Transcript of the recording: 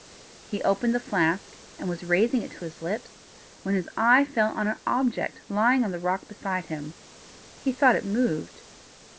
He opened the flask, and was raising it to his lips, when his eye fell on an object lying on the rock beside him; he thought it moved.